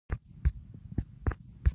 احمده! پر دې خبره سرپوښ کېږده.